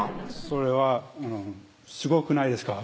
それはすごくないですか？